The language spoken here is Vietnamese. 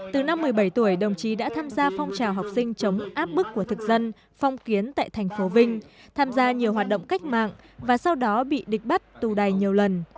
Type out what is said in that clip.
từ năm một mươi bảy tuổi đồng chí đã tham gia phong trào học sinh chống áp bức của thực dân phong kiến tại thành phố vinh tham gia nhiều hoạt động cách mạng và sau đó bị địch bắt tù đầy nhiều lần